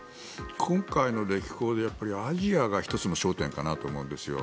今回の歴訪でアジアが１つの焦点かなと思うんですよ。